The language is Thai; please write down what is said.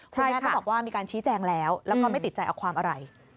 คุณแม่ก็บอกว่ามีการชี้แจงแล้วแล้วก็ไม่ติดใจเอาความอะไร